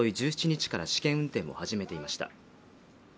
１７日から試験運転を始めていました